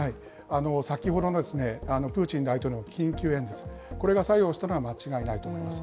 先ほどのプーチン大統領の緊急演説、これが作用したのは間違いないと思います。